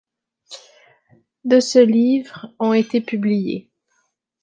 De ce livre, ont été publiés.